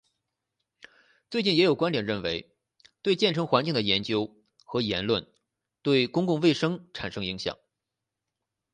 最近也有观点认为对建成环境的研究和言论对公共卫生产生影响。